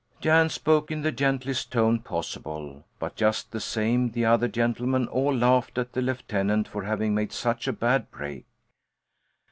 Jan spoke in the gentlest tone possible, but just the same the other gentlemen all laughed at the lieutenant for having made such a bad break.